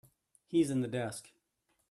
He's in the desk.